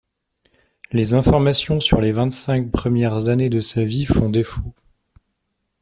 Les informations sur les vingt-cinq premières années de sa vie font défaut.